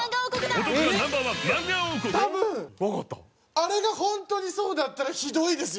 あれが本当にそうだったらひどいですよ！